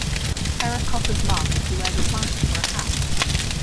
Terra Cotta's mom who wears a planter for a hat.